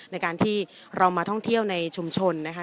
ในการที่เรามาท่องเที่ยวในชุมชนนะคะ